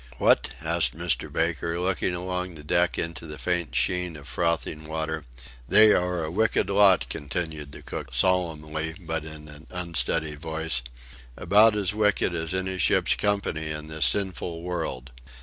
"What?" asked Mr. Baker, looking along the deck into the faint sheen of frothing water. "They are a wicked lot," continued the cook solemnly, but in an unsteady voice, "about as wicked as any ship's company in this sinful world!